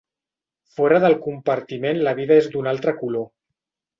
Fora del compartiment la vida és d'un altre color.